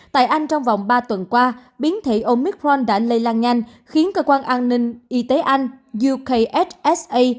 tại anh trong vòng ba tuần qua biến thể omicron đã lây lan nhanh khiến cơ quan an ninh y tế anh yoksa